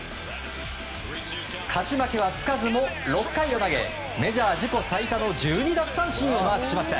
勝ち負けはつかずも６回を投げメジャー自己最多の１２奪三振をマークしました。